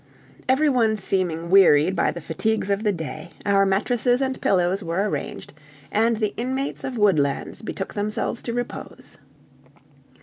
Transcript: Every one seeming wearied by the fatigues of the day, our mattresses and pillows were arranged, and the inmates of Woodlands betook themselves to repose.